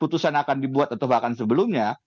putusan akan dibuat atau bahkan sebelumnya